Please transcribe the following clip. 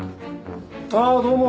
ああどうも。